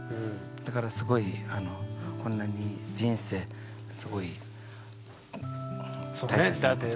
だからすごいこんなに人生すごい大切なこと。